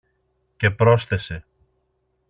Και πρόσθεσε